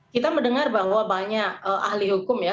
kita mendengar bahwa banyak ahli hukum ya